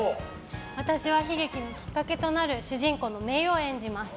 私は、悲劇のきっかけとなる主人公のめいを演じます。